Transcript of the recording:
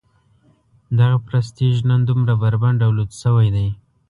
دغه پرستیژ نن دومره بربنډ او لوڅ شوی دی.